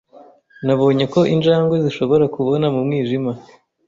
Nabonye ko injangwe zishobora kubona mu mwijima.